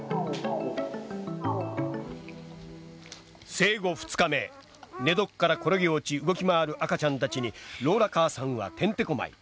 生後２日目寝床から転げ落ち動き回る赤ちゃんたちにローラ母さんはてんてこまい。